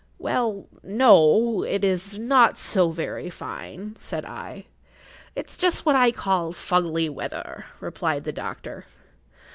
"Well, no—it is not so very fine," said I. "It's just what I call fuggly weather," replied the doctor.